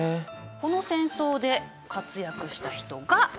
この戦争で活躍した人がこの人です。